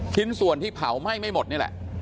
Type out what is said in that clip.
ชิ้นส่วนที่เผาไหม้ไม่หมดนี่แหละ